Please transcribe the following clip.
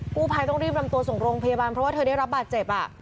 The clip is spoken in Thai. กู้ภัยต้องรีบนำตัวส่งโรงพยาบาลเพราะว่าเธอได้รับบาดเจ็บ